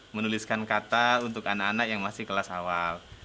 menuliskan kata untuk anak anak yang masih kelas awal